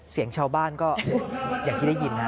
เสียงชาวบ้านก็อย่างที่ได้ยินนะ